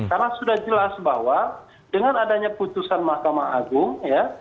karena sudah jelas bahwa dengan adanya putusan mahkamah agung ya